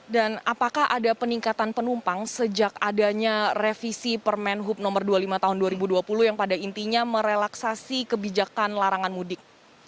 dan apakah ada peningkatan penumpang sejak adanya revisi permenhub nomor dua puluh lima tahun dua ribu dua puluh yang pada intinya merelaksasi kebijakan larangan mudik